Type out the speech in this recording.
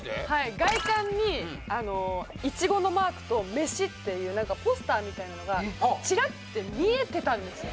外観にいちごのマークと「飯」っていう何かポスターみたいなのがチラッて見えてたんですよ